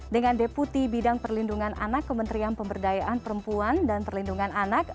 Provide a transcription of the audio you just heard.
dengan deputi bidang perlindungan anak kementerian pemberdayaan perempuan dan perlindungan anak